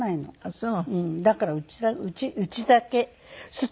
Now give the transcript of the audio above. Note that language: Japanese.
そう。